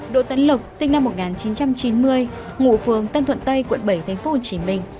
đội tấn lộc sinh năm một nghìn chín trăm chín mươi ngụ phường tân thuận tây quận bảy tp hcm